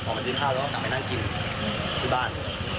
มาซื้อข้าวแล้วก็กลับไปนั่งกินที่บ้าน